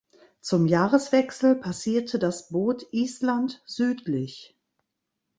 Zum Jahreswechsel passierte das Boot Island südlich.